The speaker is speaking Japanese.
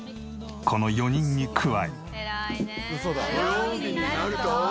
この４人に加え。